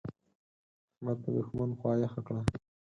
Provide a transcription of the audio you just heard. احمد په دوښمن خوا يخه کړه.